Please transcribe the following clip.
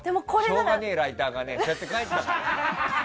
しょうがねえライターがそうやって書いてたから。